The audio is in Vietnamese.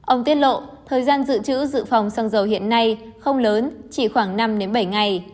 ông tiết lộ thời gian dự trữ dự phòng xăng dầu hiện nay không lớn chỉ khoảng năm bảy ngày